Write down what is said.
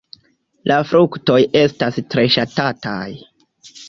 La fruktoj estas tre ŝatataj.